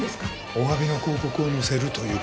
おわびの広告を載せるということで。